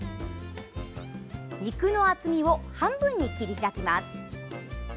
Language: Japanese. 肉の厚みを半分に切り開きます。